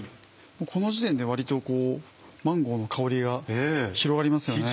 この時点で割とマンゴーの香りが広がりますよね。